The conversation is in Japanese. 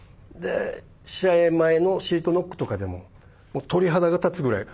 試合前のシートノックとかでももう鳥肌が立つぐらい。